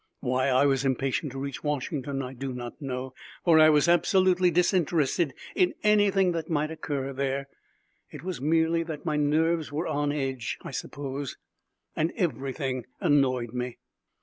Why I was impatient to reach Washington I do not know, for I was absolutely disinterested in anything that might occur there. It was merely that my nerves were on edge, I suppose, and everything annoyed me.